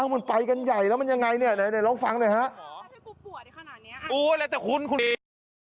มันไปกันใหญ่แล้วมันอย่างไรลองฟังด้วย